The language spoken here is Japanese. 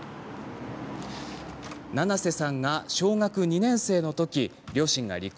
ななせさんが小学２年生の時両親が離婚。